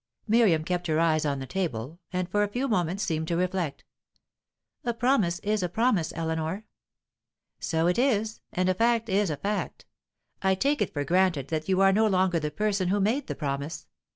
Miriam kept her eyes on the table, and for a few moments seemed to reflect. "A promise is a promise, Eleanor." "So it is. And a fact is a fact. I take it for granted that you are no longer the person who made the promise.